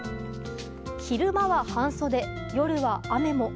昼間は半袖、夜は雨も。